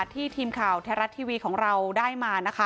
ทีมข่าวไทยรัฐทีวีของเราได้มานะคะ